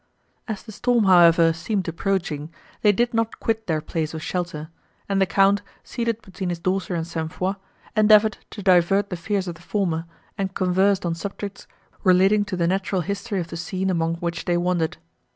As the storm, however, seemed approaching, they did not quit their place of shelter; and the Count, seated between his daughter and St. Foix, endeavoured to divert the fears of the former, and conversed on subjects, relating to the natural history of the scene, among which they wandered.